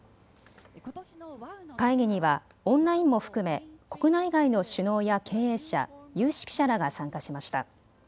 会議にはオンラインも含め国内外の首脳や経営者、有識者らが参加しました。